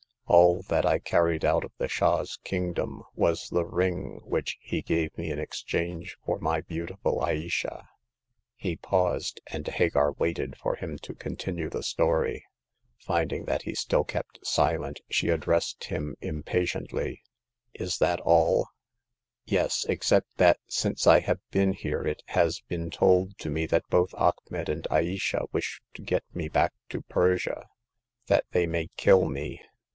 All that I carried out of the Shah's kingdom was the ring which he gave me in exchange for my beauti ful Ayesha." He paused, and Hagar waited for him to con tinue the story. Finding that he still kept silent, she addressed him impatiently :Is that all ?"" Yes— except that since I have been here it has been told to me that both Achmet and Ayesha wish to get me back to Persia, that they may kill me.